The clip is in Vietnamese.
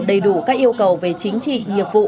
đầy đủ các yêu cầu về chính trị nghiệp vụ